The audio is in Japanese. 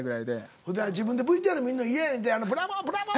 ほんで自分でＶＴＲ見んの嫌やねんて「ブラボー！ブラボー！」